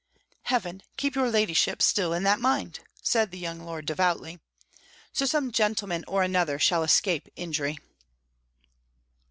"Heaven keep your ladyship still in that mind!" said the young lord devoutly. "So some gentleman or another shall escape injury."